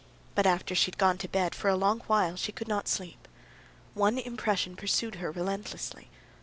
But after she had gone to bed, for a long while she could not sleep. One impression pursued her relentlessly.